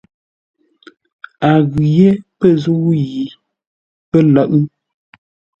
A ghʉ yé pə̂ zə̂u yi pə́ lə̌ʼ.